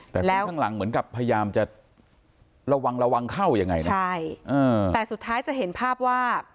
แต่ข้างหลังเหมือนกับพยายามจะระวังระวังเข้ายังไงนะใช่แต่สุดท้ายจะเห็นภาพว่า